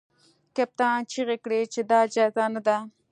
کپتان چیغې کړې چې دا جزیره نه ده.